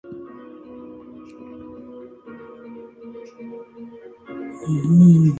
Silent mutations may also affect splicing, or transcriptional control.